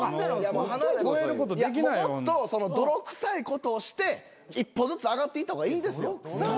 もっと泥くさいことをして一歩ずつ上がっていった方がいいんですよ。